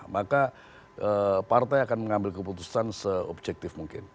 maka partai akan mengambil keputusan se objektif mungkin